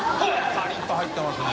パリッと入ってますね。